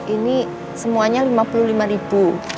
ini semuanya rp lima puluh lima